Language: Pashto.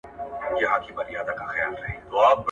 ¬ په هر چا کي ښه او بد سته.